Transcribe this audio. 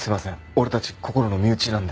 俺たちこころの身内なんで。